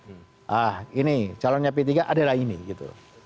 nah ini calonnya p tiga adalah ini gitu